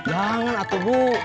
jangan atu bu